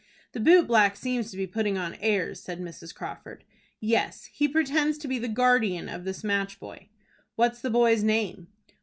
"The boot black seems to be putting on airs," said Mrs. Crawford. "Yes, he pretends to be the guardian of this match boy." "What's the boy's name?"